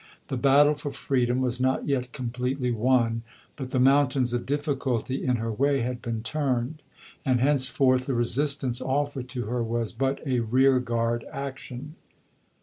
The battle for freedom was not yet completely won; but the "mountains of difficulty" in her way had been turned, and henceforth the resistance offered to her was but a rear guard action.